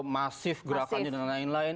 masif gerakannya dan lain lain